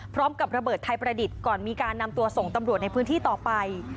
พร้อมกับระเบิดไทยประดิษฐ์ก่อนมีการนำตัวส่งตำรวจในพื้นที่ต่อไป